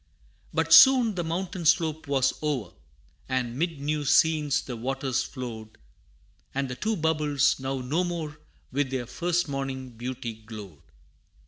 But soon the mountain slope was o'er, And 'mid new scenes the waters flowed, And the two bubbles now no more With their first morning beauty glowed.